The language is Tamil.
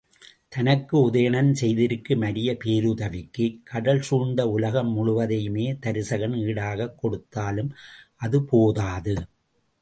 தனக்கு உதயணன் செய்திருக்கும் அரிய பேருதவிக்குக் கடல் சூழ்ந்த உலகம் முழுவதையுமே தருசகன் ஈடாகக் கொடுத்தாலும் அது போதாது.